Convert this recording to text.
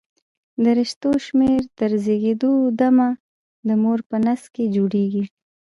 د رشتو شمېر تر زېږېدو د مه د مور په نس کې جوړېږي.